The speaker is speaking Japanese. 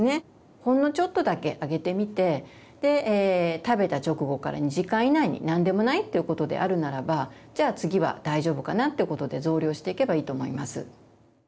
ほんのちょっとだけあげてみて食べた直後から２時間以内に何でもないということであるならばじゃあ次は大丈夫かなということで増量していけばいいと思います。